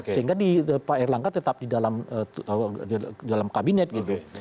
sehingga pak erlangga tetap di dalam kabinet gitu